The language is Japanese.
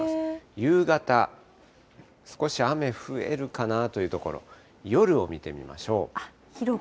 夕方、少し雨増えるかなというところ、夜を見てみましょう。